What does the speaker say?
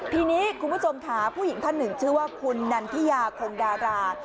ทีนี้คุณผู้ชมค่ะผู้หญิงท่านหนึ่งชื่อว่าคุณนันทิยาคงดารา